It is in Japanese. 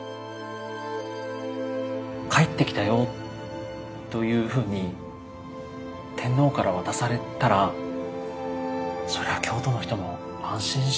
「帰ってきたよ」というふうに天皇から渡されたらそりゃあ京都の人も安心したでしょうね。